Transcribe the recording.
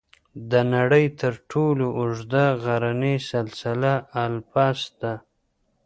د نړۍ تر ټولو اوږده غرني سلسله الپس ده.